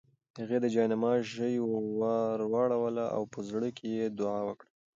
هغې د جاینماز ژۍ ورواړوله او په زړه کې یې دعا وکړه.